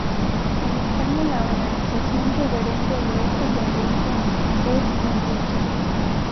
En España, la organización referente de esta tendencia es En lucha.